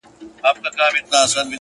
تاته پرده کي راځم تا نه بې پردې وځم~